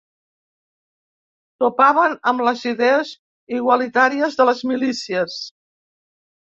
Topaven amb les idees igualitàries de les milícies